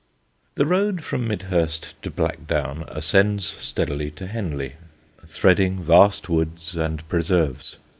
The road from Midhurst to Blackdown ascends steadily to Henley, threading vast woods and preserves.